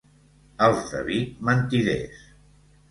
Els de Vic, mentiders.